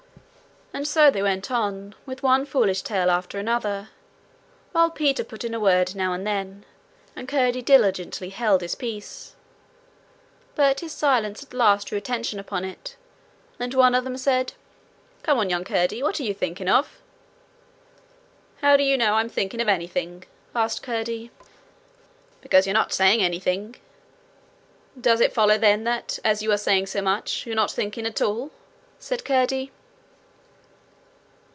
And so they went on with one foolish tale after another, while Peter put in a word now and then, and Curdie diligently held his peace. But his silence at last drew attention upon it, and one of them said: 'Come, young Curdie, what are you thinking of?' 'How do you know I'm thinking of anything?' asked Curdie. 'Because you're not saying anything.' 'Does it follow then that, as you are saying so much, you're not thinking at all?' said Curdie.